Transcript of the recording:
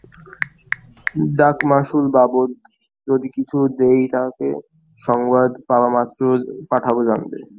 ডাকমাশুল বাবদ যদি কিছু দেয় থাকে, সংবাদ পাবামাত্র পাঠাব, জানবে।